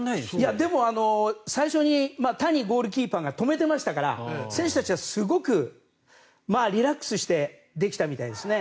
でも最初に谷ゴールキーパーが止めてましたから選手たちはリラックスしてできたみたいですね。